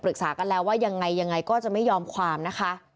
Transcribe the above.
ปรึกษากันแล้วว่ายังไงก็จะไม่ยามากนะค่ะ